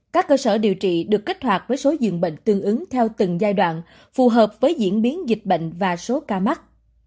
các cơ sở điều trị được kích hoạt với số dường bệnh tương ứng theo từng giai đoạn phù hợp với diễn biến dịch bệnh và số ca mắc